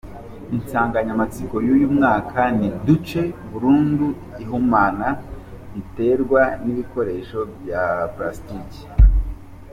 Insanganyamatsiko y’uyu mwaka ni “Duce burundu ihumana riterwa n’ibikoresho bya pulasitiki.